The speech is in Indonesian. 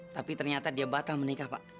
tapi ternyata dia batal menikah pak